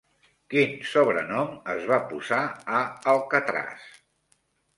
Quin sobrenom es va posar a Alcatraz?